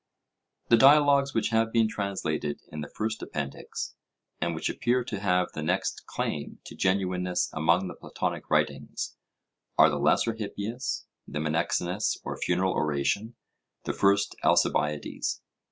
The dialogues which have been translated in the first Appendix, and which appear to have the next claim to genuineness among the Platonic writings, are the Lesser Hippias, the Menexenus or Funeral Oration, the First Alcibiades.